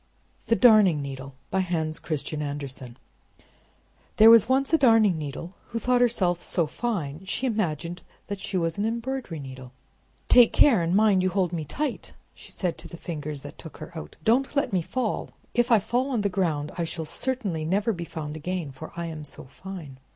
THE DARNING NEEDLE By Hans Christian Andersen There was once a darning needle, who thought herself so fine, she imagined she was an embroidery needle. "Take care, and mind you hold me tight!" she said to the Fingers that took her out. "Don't let me fall! If I fall on the ground I shall certainly never be found again, for I am so fine!"